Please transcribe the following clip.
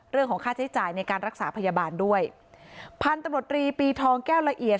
เรื่องของค่าใช้จ่ายในการรักษาพยาบาลด้วยพันธุ์ตำรวจรีปีทองแก้วละเอียด